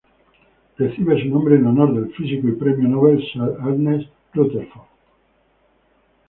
Recibe su nombre en honor del físico y premio Nobel "sir" Ernest Rutherford.